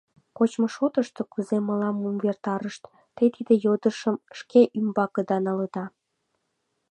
Кочмо шотышто, кузе мылам увертарышт, те тиде йодышым шке ӱмбакыда налында.